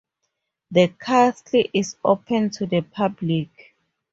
The castle is open to the public.